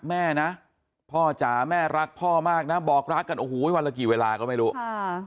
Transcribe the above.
แม่นะพ่อจ๋าแม่รักพ่อมากนะบอกรักกันโอ้โหวันละกี่เวลาก็ไม่รู้ค่ะ